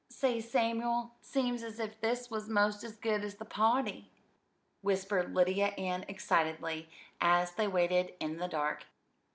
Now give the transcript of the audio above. "Say, Samuel, seems as if this was 'most as good as the party," whispered Lydia Ann excitedly, as they waited in the dark.